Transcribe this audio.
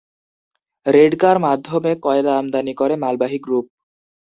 রেডকার মাধ্যমে কয়লা আমদানি করে মালবাহী গ্রুপ।